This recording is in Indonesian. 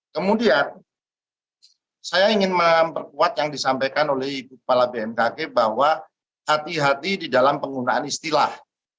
kemudian saya ingin memperkuat yang disampaikan oleh ibu kepala bmkg bahwa hati hati di dalam penggunaan istilah